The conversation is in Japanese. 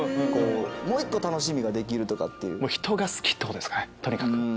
こうもう１個楽しみができるとかっていう。ってことですかねとにかく。